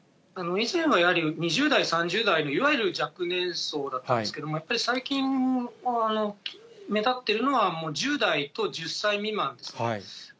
以前はやはり、２０代、３０代のいわゆる若年層だったんですけれども、やっぱり最近は、目立ってるのは、１０代と、１０歳未満ですね。